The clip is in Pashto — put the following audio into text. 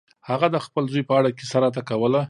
هغه د خپل زوی په اړه کیسه راته کوله.